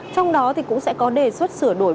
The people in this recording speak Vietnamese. trong đó thì cũng sẽ có đề xuất sửa đổi